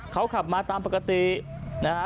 เขาขับมาตามปกตินะฮะ